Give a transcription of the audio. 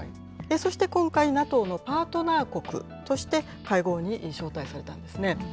そして今回、ＮＡＴＯのパートナー国として会合に招待されたんですね。